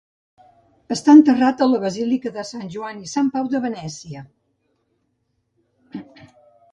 Està enterrat a la Basílica de Sant Joan i Sant Pau de Venècia.